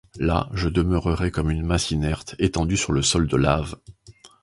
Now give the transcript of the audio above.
Là je demeurai comme une masse inerte, étendu sur le sol de lave.